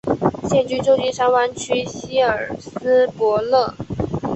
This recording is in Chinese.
现居旧金山湾区希尔斯伯勒。